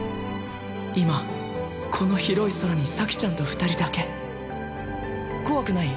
今この広い空に咲ちゃんと２人だけ怖くない？